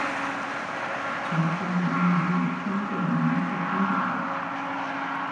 本站位于与交界的明治通地下。